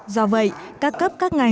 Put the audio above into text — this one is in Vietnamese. do vậy các cấp các ngành